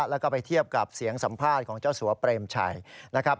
แล้วก็ไปเทียบกับเสียงสัมภาษณ์ของเจ้าสัวเปรมชัยนะครับ